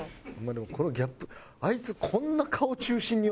でもこのギャップあいつこんな顔中心に寄ってるの？